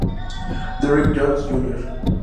Derrick Jones Jr.